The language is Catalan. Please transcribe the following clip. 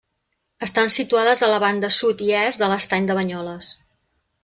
Estan situades a la banda sud i est de l’Estany de Banyoles.